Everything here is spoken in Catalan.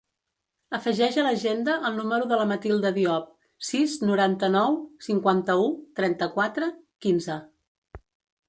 Afegeix a l'agenda el número de la Matilda Diop: sis, noranta-nou, cinquanta-u, trenta-quatre, quinze.